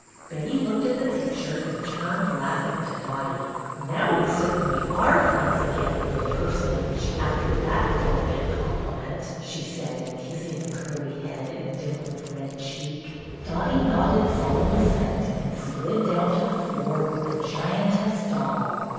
Betty looked at the picture and turned laughing to Dotty. Now we certainly are friends again. Little Personage, after that delicate compliment," she said, kissing the curly head and dimpled red cheek. PICKLES 67 Dotty nodded solemn assent and slid down to the floor with the giantess doll.